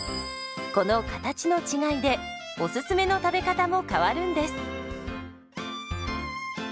この形の違いでおすすめの食べ方も変わるんです。